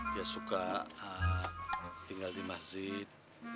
dia suka tinggal di masjid